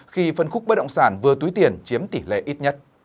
khi phân khúc bất động sản vừa túi tiền chiếm tỷ lệ ít nhất